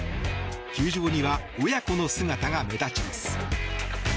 球場には親子の姿が目立ちます。